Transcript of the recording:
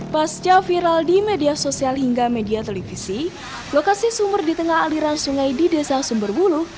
pasca viral di media sosial hingga media televisi lokasi sumur di tengah aliran sungai di desa sumberbulu